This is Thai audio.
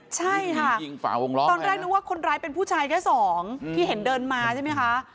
ใช่ค่ะยิงฝาวงล้อตอนแรกนึกว่าคนร้ายเป็นผู้ชายแค่สองที่เห็นเดินมาใช่ไหมคะ